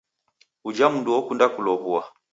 Ujha mdu okunda kulow'ua.